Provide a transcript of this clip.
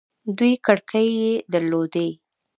دوې کړکۍ يې در لودې.